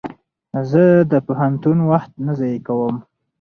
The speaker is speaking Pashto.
زه د پوهنتون وخت نه ضایع کوم.